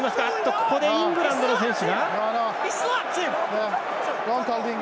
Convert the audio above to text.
ここで、イングランドの選手。